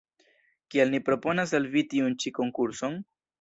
Kial ni proponas al vi tiun ĉi konkurson?